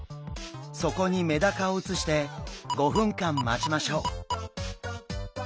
そこにメダカを移して５分間待ちましょう。